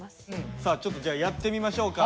さあちょっとじゃあやってみましょうか。